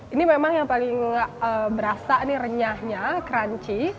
ini memang yang paling berasa ini renyahnya crunchy